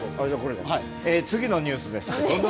次のニュースです。